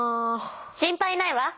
心配ないわ。